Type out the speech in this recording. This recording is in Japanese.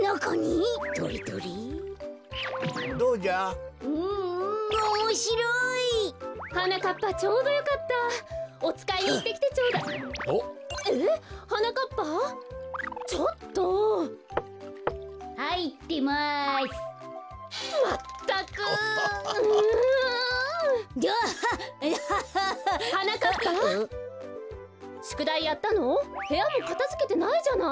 へやもかたづけてないじゃない。